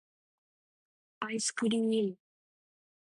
愛♡スクリ～ム!